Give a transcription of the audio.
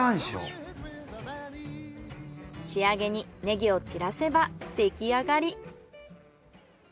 仕上げにネギを散らせば出来上がり。